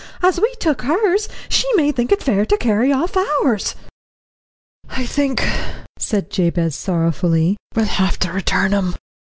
As we took hers, she may think it fair to carry off ours." "I think," said Jabez sorrowfully, "we'll have to return 'em."